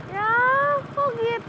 ya kok gitu